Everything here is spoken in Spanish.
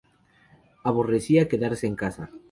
Aborrecía quedarse en casa.